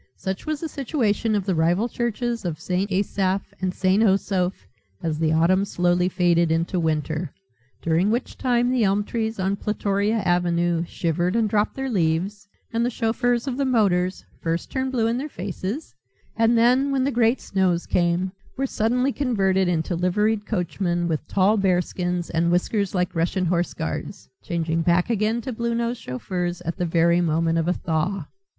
Such was the situation of the rival churches of St. Asaph and St. Osoph as the autumn slowly faded into winter: during which time the elm trees on Plutoria Avenue shivered and dropped their leaves and the chauffeurs of the motors first turned blue in their faces and then, when the great snows came, were suddenly converted into liveried coachmen with tall bearskins and whiskers like Russian horseguards, changing back again to blue nosed chauffeurs the very moment of a thaw.